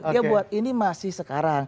dia buat ini masih sekarang